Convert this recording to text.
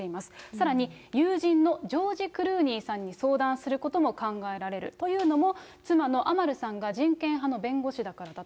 さらに、友人のジョージ・クルーニーさんに相談することも考えられる、というのも、妻のアマルさんが人権派の弁護士だからだと。